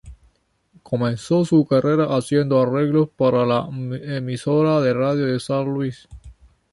Comenzó su carrera haciendo arreglos para una emisora de radio de San Luis.